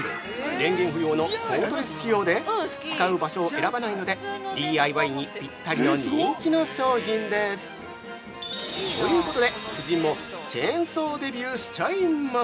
電源不要のコードレス仕様で使う場所を選ばないのでＤＩＹにぴったりの人気の商品です！ということで、夫人もチェーンソーデビューしちゃいます。